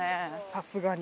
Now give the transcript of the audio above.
さすがに。